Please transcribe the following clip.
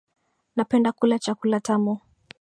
Napenda kula chakula tamu